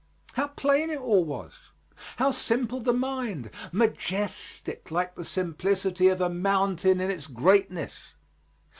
How plain it all was. How simple the mind majestic like the simplicity of a mountain in its greatness.